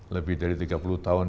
lebih dari tiga puluh tahun